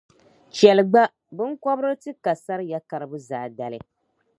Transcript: Chɛli gba, binkɔbiri ti ka sariya karibu zaadali.